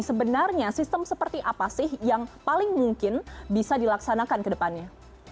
sebenarnya sistem seperti apa sih yang paling mungkin bisa dilaksanakan ke depannya